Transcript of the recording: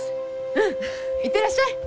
うん行ってらっしゃい！